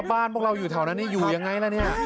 บ้านพวกเราอยู่แถวนั้นนี่อยู่ยังไงล่ะเนี่ย